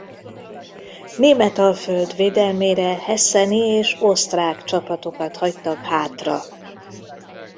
Németalföld védelmére hesseni és osztrák csapatokat hagytak hátra.